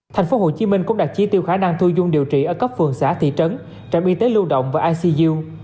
tp hcm cũng đặt chi tiêu khả năng thu dung điều trị ở các phường xã thị trấn trạm y tế lưu động và icu